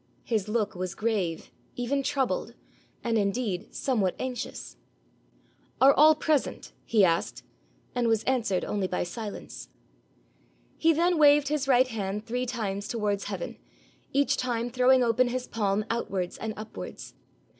His look was grave, even troubled, and indeed somewhat anxious. 'Are all present?' he asked, and was answered only by silence. He then waved his right hand three times towards heaven, each time throwing open his palm outwards and upwards.